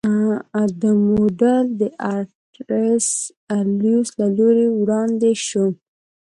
دا موډل د آرتر لویس له لوري وړاندې شو.